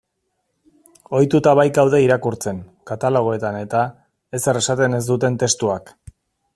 Ohituta baikaude irakurtzen, katalogoetan-eta, ezer esaten ez duten testuak.